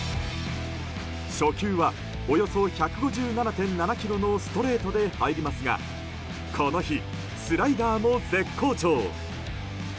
初球はおよそ１５７．７キロのストレートで入りますがこの日、スライダーも絶好調。